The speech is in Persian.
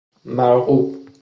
مرغوب